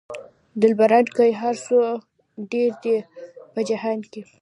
دلبران که هر څو ډېر دي په جهان کې.